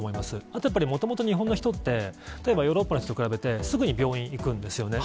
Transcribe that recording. あとはやっぱり、もともと日本の人って、例えば、ヨーロッパの人と比べて、すぐに病院に行くんですよね。